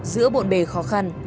giữa bộn bề khó khăn